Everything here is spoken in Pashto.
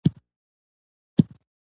که میندې غزل ووايي نو ذوق به نه وي مړ.